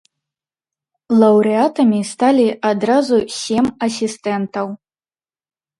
Лаўрэатамі сталі адразу сем асістэнтаў.